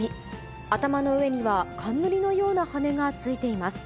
頭の上には冠のような羽根がついています。